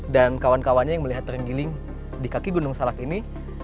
dan kawan kawannya yang melihat terenggiling di kaki gunung salak ini